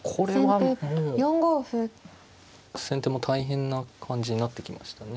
先手も大変な感じになってきましたね。